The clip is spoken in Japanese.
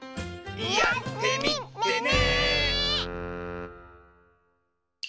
やってみてね！